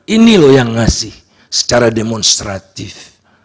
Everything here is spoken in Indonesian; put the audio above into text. ini loh yang ngasih secara demonstratif